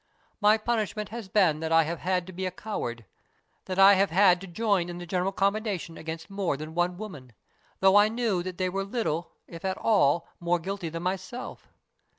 My punishment has been that I have had to be a coward, that I have had to join in the general combination against more than one woman, though I knew that they were little if at all more guilty than myself.